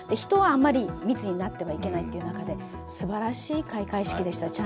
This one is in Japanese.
人はあまり密になってはいけないという中ですばらしい開会式でした。